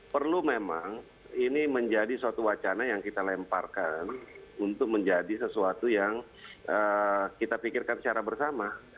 perlu memang ini menjadi suatu wacana yang kita lemparkan untuk menjadi sesuatu yang kita pikirkan secara bersama